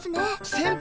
先輩！